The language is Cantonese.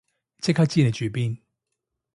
即刻知你住邊